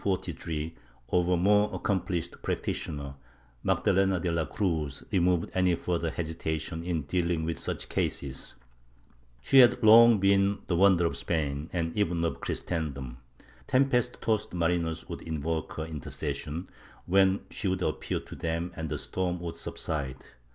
18. VOL. IV 6 82 MYSTICISM [Book VIII The exposure, in 1543, of a more accomplished practitioner, Magdalena de la Cruz, removed any further hesitation in dealing with such cases. She had long been the wonder of Spain and even of Christendom. Tempest tossed mariners would invoke her intercession, when she would appear to them and the storm would subside.